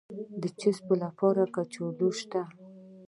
د چپسو لپاره کچالو شته؟